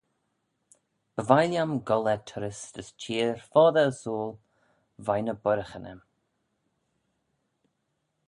By vie lhiam goll er turrys dys çheer foddey ersooyl veih ny boiraghyn aym.